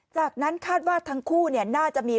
จากนั้นคาดว่าทั้งคู่น่าจะมี